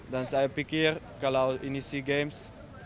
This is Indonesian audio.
saya pikir kalau ini sea games